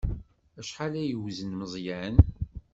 Acḥal ay yewzen Meẓyan?